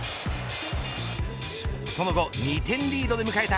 その後２点リードで迎えた